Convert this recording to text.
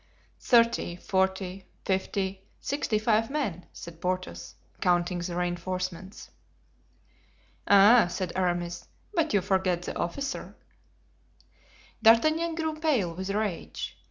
"Thirty, forty, fifty, sixty five men," said Porthos, counting the reinforcements. "Ah!" said Aramis, "but you forget the officer." D'Artagnan grew pale with rage.